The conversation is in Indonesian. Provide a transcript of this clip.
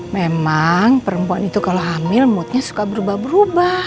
memang perempuan itu kalau hamil moodnya suka berubah berubah